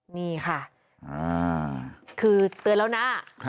นี่ค่ะคือเตือนแล้วนะ